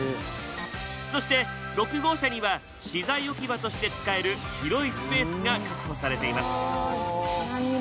そして６号車には資材置き場として使える広いスペースが確保されています。